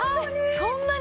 そんなに？